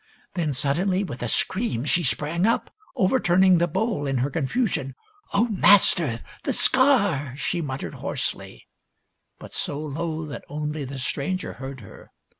Then suddenly, with a scream, she sprang up, overturning the bowl in her confusion. " O master ! the scar !" she muttered hoarsely, but so low that only the stranger heard her.